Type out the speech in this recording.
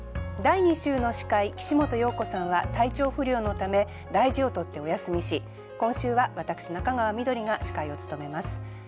第２週の司会岸本葉子さんは体調不良のため大事を取ってお休みし今週は私中川緑が司会を務めます。